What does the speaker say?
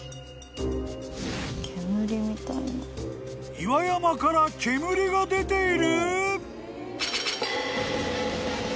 ［岩山から煙が出ている？］